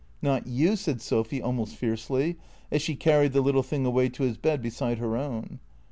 " Not you," said Sophy almost fiercely, as she carried the little thing away to his bed beside her own.